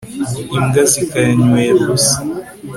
imbwa zikayanywera ubusa